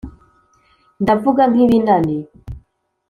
Ndavuga nk,ibinani